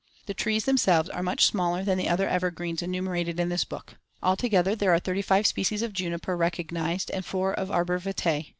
The trees themselves are much smaller than the other evergreens enumerated in this book. Altogether, there are thirty five species of juniper recognized and four of arbor vitae.